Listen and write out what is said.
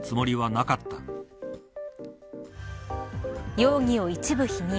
容疑を一部否認。